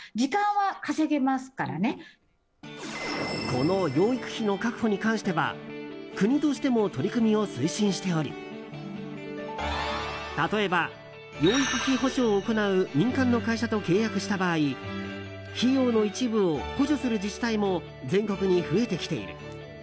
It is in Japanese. この養育費の確保に関しては国としても取り組みを推進しており例えば、養育費保証を行う民間の会社と契約した場合費用の一部を補助する自治体も全国に増えてきている。